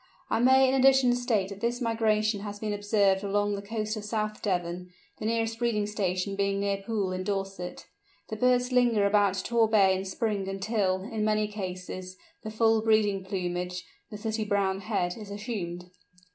I may in addition state that this migration has been observed along the coast of South Devon, the nearest breeding station being near Poole in Dorset. The birds linger about Tor Bay in spring until, in many cases, the full breeding plumage—the sooty brown head—is assumed.